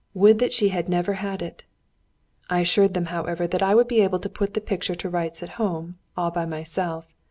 Would that she had never had it! I assured them, however, that I would be able to put the picture to rights at home, all by myself.